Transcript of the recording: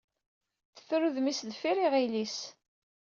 Teffer udem-is deffir iɣil-is.